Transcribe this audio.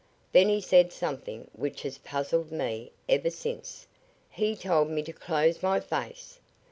Then he said something which has puzzled me ever since. He told me to close my face.